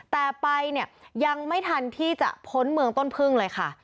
แต่ไปเนี่ยยังไม่ทันที่จะพ้นเมืองต้นพึ่งเลยค่ะ